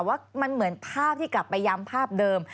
ว่ามันเหมือนภาพที่กลับไปย้ำภาพเดิม